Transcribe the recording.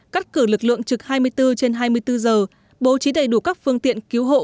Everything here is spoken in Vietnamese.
cắt cử lực lượng trực hai mươi bốn trên hai mươi bốn giờ bố trí đầy đủ các phương tiện cứu hộ